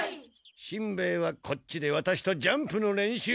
しんべヱはこっちでワタシとジャンプの練習。